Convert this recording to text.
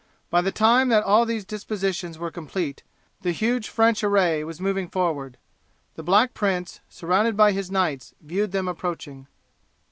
By the time that all these dispositions were complete the huge French array was moving forward. The Black Prince, surrounded by his knights, viewed them approaching.